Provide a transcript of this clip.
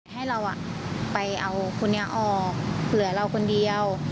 ให้เราไปเอาคนนี้ออกเผื่อเราคนเดียว